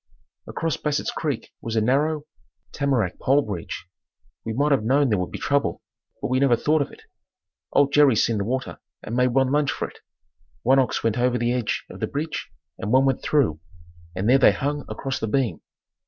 Across Bassett's creek was a narrow, tamarack pole bridge. We might have known there would be trouble but we never thought of it. Old Jerry seen the water and made one lunge for it. One ox went over the edge of the bridge and one went through, and there they hung across the beam.